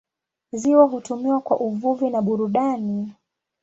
Ziwa hutumiwa kwa uvuvi na burudani.